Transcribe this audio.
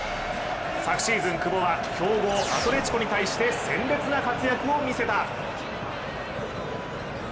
昨シーズン、久保は強豪アトレチコに対して鮮烈な活躍を見せた。